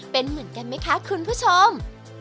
เป็นเหมือนกันไหมคะคุณผู้ชม